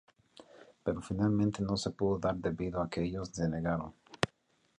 Pero finalmente no se pudo dar debido a que ellos se negaron.